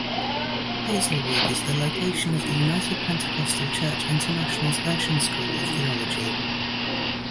Hazelwood is the location of the United Pentecostal Church International's Urshan School of Theology.